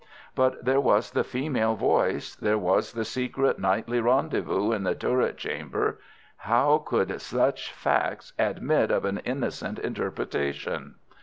But there was the female voice, there was the secret nightly rendezvous in the turret chamber—how could such facts admit of an innocent interpretation?